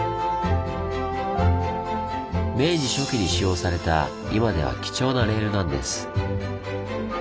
明治初期に使用された今では貴重なレールなんです。